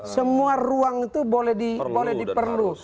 semua ruang itu boleh diperluas